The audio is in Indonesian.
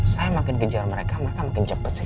saya makin kejar mereka mereka makin cepat sih